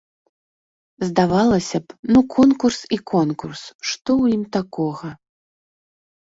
Здавалася б, ну конкурс і конкурс, што ў ім такога.